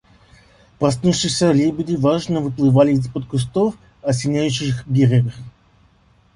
Проснувшиеся лебеди важно выплывали из-под кустов, осеняющих берег.